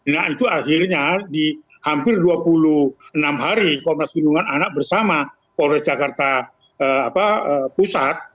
nah itu akhirnya di hampir dua puluh enam hari komnas perlindungan anak bersama polres jakarta pusat